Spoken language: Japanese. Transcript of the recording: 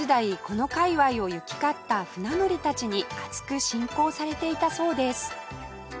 この界隈を行き交った舟乗りたちに厚く信仰されていたそうです